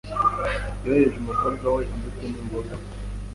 Yohereje umukobwa we imbuto n'imboga .